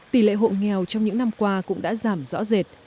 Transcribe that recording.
tỷ lệ hộ nghèo trong những năm qua cũng đã giảm rõ rệt